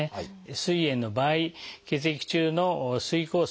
すい炎の場合血液中のすい酵素